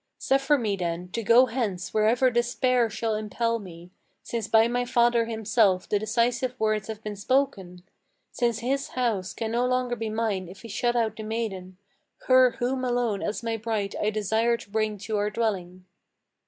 Suffer me, then, to go hence wherever despair shall impel me: Since by my father himself the decisive words have been spoken; Since his house can no longer be mine if he shut out the maiden, Her whom alone as my bride I desire to bring to our dwelling."